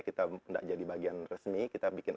kita tidak jadi bagian resmi kita bikin